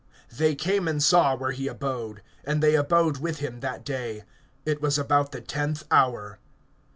They came and saw where he abode; and they abode with him that day. It was about the tenth hour.